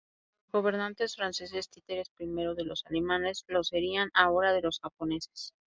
Los gobernantes franceses, títeres primero de los alemanes, lo serían ahora de los japoneses.